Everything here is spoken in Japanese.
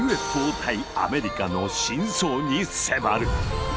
対アメリカの真相に迫る！